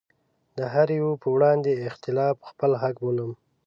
د هره يوه په وړاندې اختلاف خپل حق بولم.